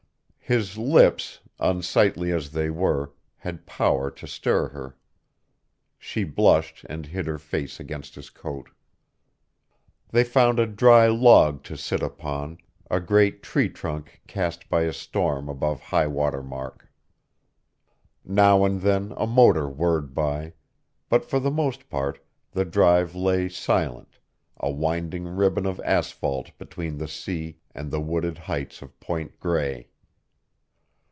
His lips, unsightly as they were, had power to stir her. She blushed and hid her face against his coat. They found a dry log to sit upon, a great tree trunk cast by a storm above high water mark. Now and then a motor whirred by, but for the most part the drive lay silent, a winding ribbon of asphalt between the sea and the wooded heights of Point Grey.